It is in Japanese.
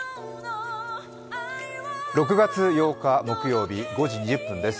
６月８日木曜日、５時２０分です。